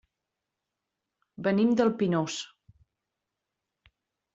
Venim del Pinós.